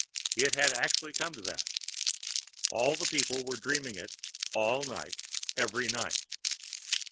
It had actually come to that. All the people were dreaming it all night every night.